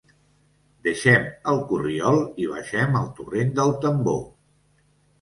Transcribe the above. Deixem el corriol i baixem al Torrent del Tambor.